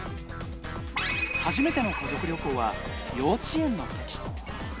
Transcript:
初めての家族旅行は幼稚園のとき。